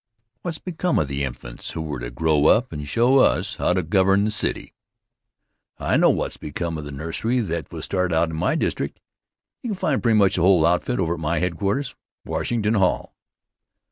What's become of the infants who were to grow up and show us how to govern the city? I know what's become of the nursery that was started in my district. You can find pretty much the whole outfit over in my headquarters, Washington Hall.